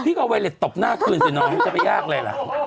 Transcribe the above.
พี่ก็เอาไวร็ดตบหน้าคืนสิน้องมันไม่ได้ยากอะไรล่ะ